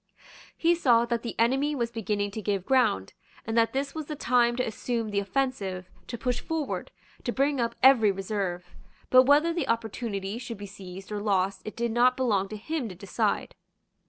He saw that the enemy was beginning to give ground, and that this was the time to assume the offensive, to push forward, to bring up every reserve. But whether the opportunity should be seized or lost it did not belong to him to decide.